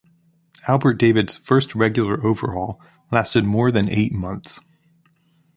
Albert David's first regular overhaul lasted more than eight months.